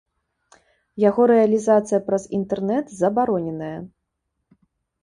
Яго рэалізацыя праз інтэрнэт забароненая.